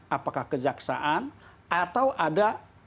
apakah kejaksaan atau ada